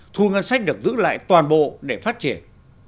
thu ngân sách được giữ lại toàn bộ để phát triển